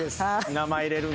名前入れるのね。